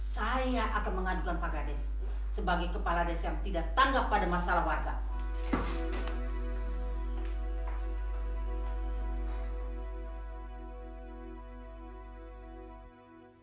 saya akan mengadukan pak gades sebagai kepala desa yang tidak tanggap pada masalah warga